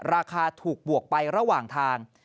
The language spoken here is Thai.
ราคาถูกบวกไประหว่างทาง